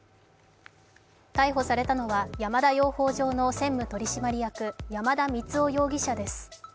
逮捕されたのは、山田養蜂場の専務取締役山田満生容疑者です。